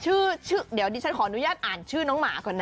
ชื่อเดี๋ยวดิฉันขออนุญาตอ่านชื่อน้องหมาก่อนนะ